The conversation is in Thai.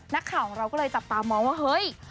นักข่าวของเราก็เลยจับตามองว่าเฮ้ย